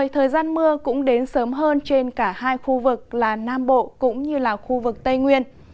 thời gian mưa cũng đến sớm hơn trên cả hai khu vực là nam bộ cũng như là khu vực tây nguyên